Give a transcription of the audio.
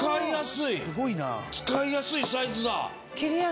使いやすいサイズだ。